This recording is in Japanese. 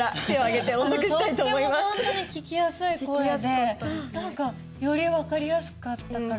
とってもほんとに聞きやすい声で何かより分かりやすかったから。